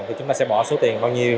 thì chúng ta sẽ bỏ số tiền bao nhiêu